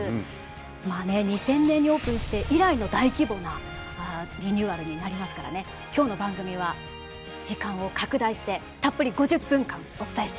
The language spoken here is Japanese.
まあね２０００年にオープンして以来の大規模なリニューアルになりますからね今日の番組は時間を拡大してたっぷり５０分間お伝えしていきます。